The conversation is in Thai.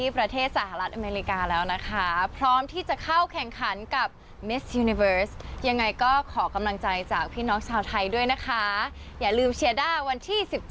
พระเช้าวันจันทร์ของเราเชียร์เธอกันได้